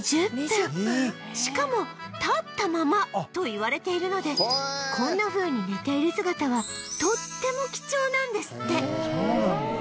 しかも立ったままといわれているのでこんなふうに寝ている姿はとっても貴重なんですってへえそうなんだ。